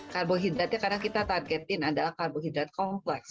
karbohidratnya karena kita targetin adalah karbohidrat kompleks